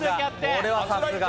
これはさすが！